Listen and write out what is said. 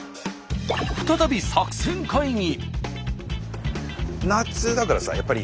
再び作戦会議。